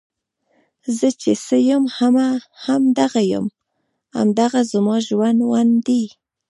زۀ چې څۀ يم هم دغه يم، هـــم دغه زمـا ژونـد ون دی